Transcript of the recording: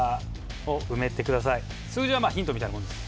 数字はまあヒントみたいなもんです。